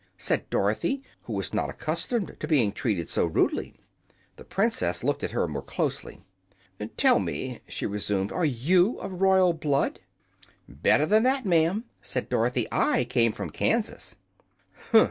said Dorothy, who was not accustomed to being treated so rudely. The Princess looked at her more closely. "Tell me," she resumed, "are you of royal blood?" "Better than that, ma'am," said Dorothy. "I came from Kansas." "Huh!"